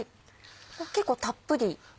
結構たっぷり。